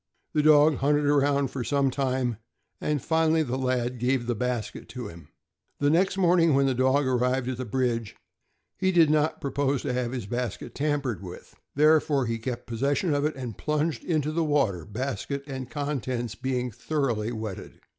The dog hunted around for some time, and finally the lad gave the basket to him. The next morning, when the dog arrived at the bridge, he did not propose to have his basket tampered with, therefore he kept possession of it and plunged into the water, basket and contents being thoroughly wetted.